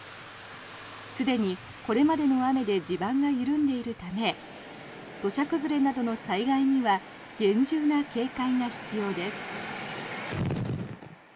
すでに、これまでの雨で地盤が緩んでいるため土砂崩れなどの災害には厳重な警戒が必要です。